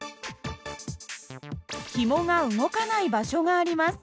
ひもが動かない場所があります。